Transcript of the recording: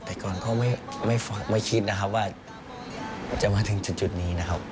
แต่ก่อนก็ไม่คิดนะครับว่าจะมาถึงจุดนี้นะครับ